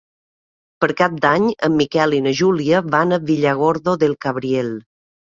Per Cap d'Any en Miquel i na Júlia van a Villargordo del Cabriel.